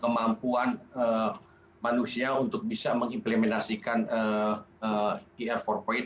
kemampuan manusia untuk bisa mengimplementasikan ir empat